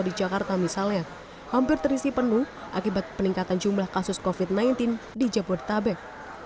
di jakarta misalnya hampir terisi penuh akibat peningkatan jumlah kasus covid sembilan belas di jabodetabek